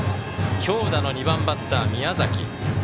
強打の２番バッター、宮崎。